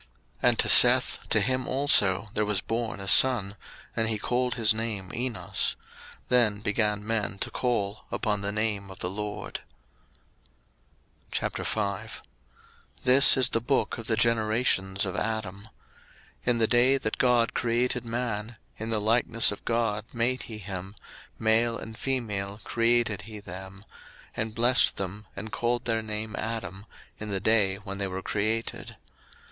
01:004:026 And to Seth, to him also there was born a son; and he called his name Enos: then began men to call upon the name of the LORD. 01:005:001 This is the book of the generations of Adam. In the day that God created man, in the likeness of God made he him; 01:005:002 Male and female created he them; and blessed them, and called their name Adam, in the day when they were created.